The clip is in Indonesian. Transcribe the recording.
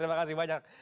terima kasih banyak